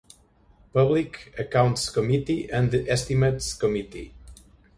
Public Accounts Committee and the Estimates Committee.